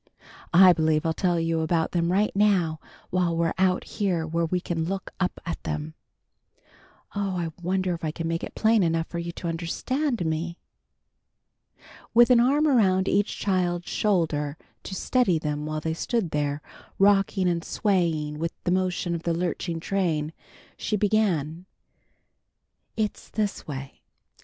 I believe I'll tell you about them right now, while we're out here where we can look up at them. Oh, I wonder if I can make it plain enough for you to understand me!" With an arm around each child's shoulder to steady them while they stood there, rocking and swaying with the motion of the lurching train, she began: "It's this way.